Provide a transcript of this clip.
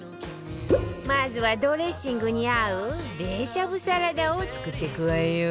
まずはドレッシングに合う冷しゃぶサラダを作っていくわよ